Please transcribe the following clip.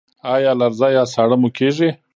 ایا لرزه یا ساړه مو کیږي؟